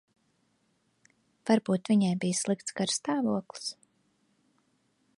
Varbūt viņai bija slikts garastāvoklis.